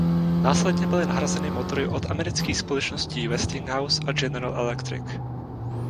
Následně byly nahrazeny motory od amerických společností Westinghouse a General Electric.